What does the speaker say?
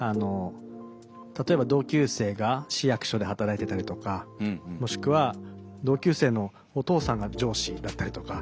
例えば同級生が市役所で働いてたりとかもしくは同級生のお父さんが上司だったりとか。